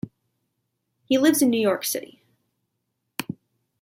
He lives in New York City.